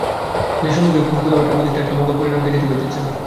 সে যে সম্মুখে কোথাও একটা প্রতিষ্ঠা, একটা মঙ্গল-পরিণাম দেখিতে পাইতেছে না।